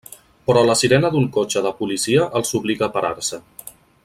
Però la sirena d'un cotxe de policia els obliga a parar-se.